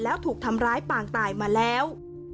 แล้วถูกทำร้ายปางตายมาแล้ว